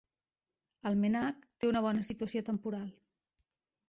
El MNAC té una bona situació temporal.